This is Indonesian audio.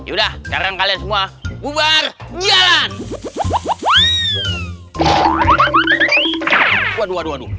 yaudah sekarang kalian semua bubar jalan